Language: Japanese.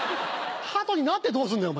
ハトになってどうすんだよ。